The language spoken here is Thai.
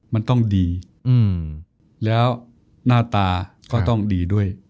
มันต้องดีแล้วหน้าตาก็ต้องดีด้วย